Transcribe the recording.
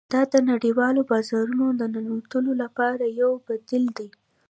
دا د نړیوالو بازارونو د ننوتلو لپاره یو بدیل دی